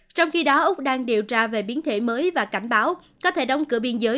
trong khi đó úc đang điều tra về biến thể mới và cảnh báo có thể đóng cửa biên giới